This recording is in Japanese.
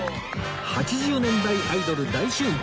８０年代アイドル大集合！